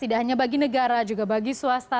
tidak hanya bagi negara juga bagi swasta